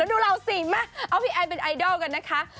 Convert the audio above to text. ดูเราสิมาเอาพี่ไอเป็นไอดอลกันนะคะ